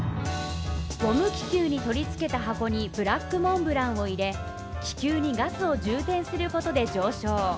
ゴム気球に取り付けた箱にブラックモンブランを入れ、気球にガスを充填することで上昇。